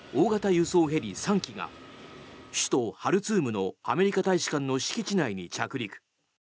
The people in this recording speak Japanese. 輸送ヘリ３機が首都ハルツームのアメリカ大使館の敷地内に着陸。